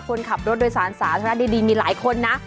คนขับรถโดยสารสาธารณะดีมีหลายคนนะ